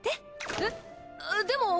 えっでも。